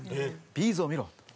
「Ｂ’ｚを見ろ」と。